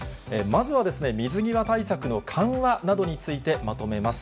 まずは水際対策の緩和などについて、まとめます。